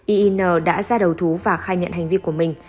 yn đã ra đầu thú và khai nhận hành vi của mình